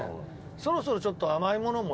そろそろ、ちょっと甘いものも。